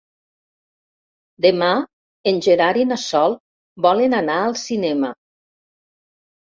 Demà en Gerard i na Sol volen anar al cinema.